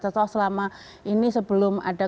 contoh selama ini sebelum ada